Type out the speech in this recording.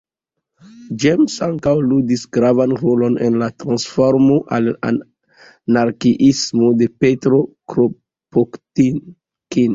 James ankaŭ ludis gravan rolon en la transformo al anarkiismo de Petro Kropotkin.